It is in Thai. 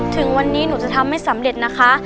ถึงวันนี้หนูจะทำให้สำเร็จนะคะ